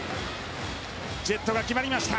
ジェットが決まりました。